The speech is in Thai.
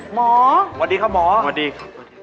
เฮ่ยวันนี้เขาดิใครล่ะใครใคร